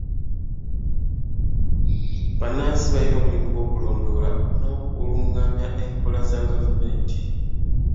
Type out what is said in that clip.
Bannansi bayina omulimu gw'okulondoola n'okulungamya enkola za gavumenti.